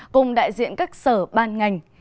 cùng đại diện các sở ban ngành